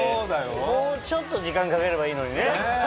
もうちょっと時間かければいいのにね。